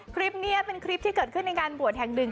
คลิปนี้เป็นคลิปที่เกิดขึ้นในงานบวชแห่งหนึ่ง